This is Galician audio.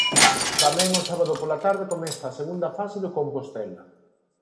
Tamén o sábado pola tarde comeza a segunda fase do Compostela.